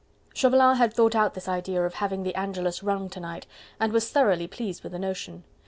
Chauvelin had thought out this idea of having the Angelus rung to night, and was thoroughly pleased with the notion.